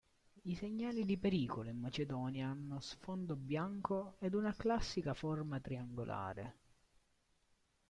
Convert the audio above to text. I segnali di pericolo in Macedonia hanno sfondo bianco ed una classica forma triangolare.